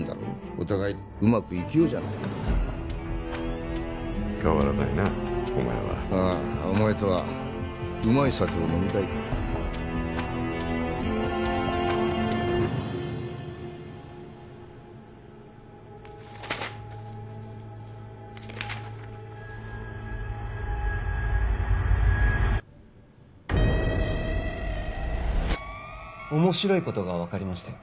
お互いうまく生きようじゃないか変わらないなお前はああお前とはうまい酒を飲みたいからな面白いことが分かりましたよ